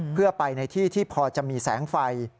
เพื่อไปในที่ที่พอจะมีแสงไฟ